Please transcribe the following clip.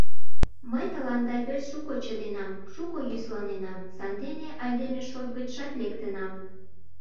— Мый тыланда верч шуко чытенам, шуко йӧсланенам, сандене айдеме шот гычшат лектынам.